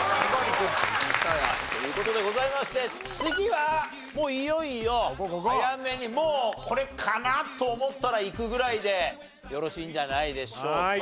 という事でございまして次はもういよいよ早めにもう「これかな？」と思ったらいくぐらいでよろしいんじゃないでしょうか。